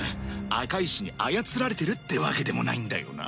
赤石に操られてるってわけでもないんだよな。